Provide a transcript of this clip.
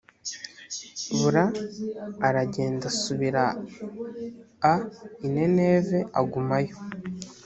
bura aragenda asubira a i nineve agumayo